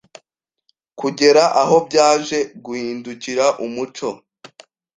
kugera aho byaje guhindukira umuco.